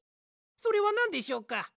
それはなんでしょうか？